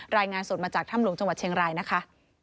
รายงานสดมาจากถ้ำหลวงจังหวัดเชียงรายนะคะ